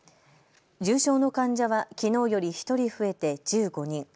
重症の患者はきのうより１人増えて１５人。